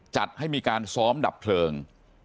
จัดให้มีการซ้อมดับเพลิง